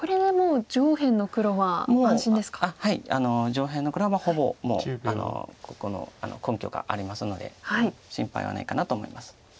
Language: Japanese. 上辺の黒はほぼもうここの根拠がありますので心配はないかなと思います。